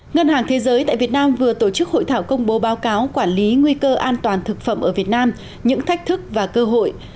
ngân hàng thế giới tại việt nam vừa tổ chức hội thảo công bố báo cáo quản lý nguy cơ an toàn thực phẩm ở việt nam những thách thức và cơ hội